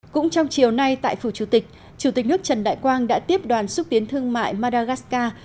cũng trong chiều nay tại phủ chủ tịch chủ tịch nước trần đại quang đã tiếp đoàn xúc tiến thương mại madagascar